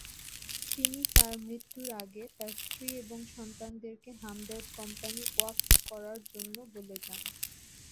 তিনি তার মৃত্যুর আগে তার স্ত্রী এবং সন্তানদেরকে হামদর্দ কোম্পানি ওয়াকফ করার জন্য বলে যান।